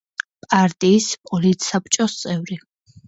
პარტიის პოლიტსაბჭოს წევრი.